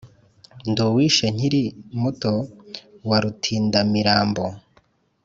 ndi uwishe nkiri muto wa rutindamirambo